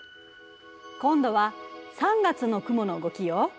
今度は３月の雲の動きよ。